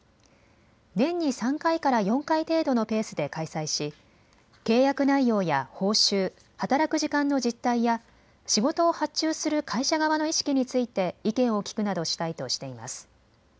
年に３回から４回程度のペースで開催し契約内容や報酬、働く時間の実態や仕事を発注する会社側の意識について意見を聞くなどしたいとしています。